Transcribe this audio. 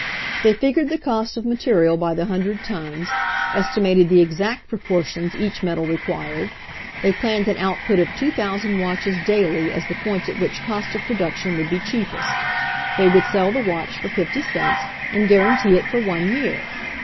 They figured the cost of material by the hun GETTING THE MACHINE IDEA 31 dred tans, estimated the exact proportions each metal required; they planned an output of 2,000 watches daily as the point at which cost of pro duction would be cheapest. They would sell the watch for fifty cents, and guarantee it for one year.